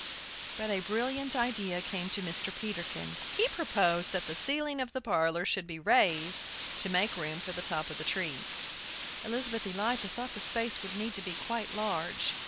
But a brilliant idea came to Mr. Peterkin. He proposed that the ceiling of the parlor should be raised to make room for the top of the tree. Elizabeth Eliza thought the space would need to be quite large.